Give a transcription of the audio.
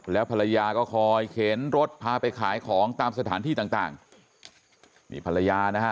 แล้วภรรยาก็คอยเข็นรถพาไปขายของตามสถานที่ต่างต่างนี่ภรรยานะฮะ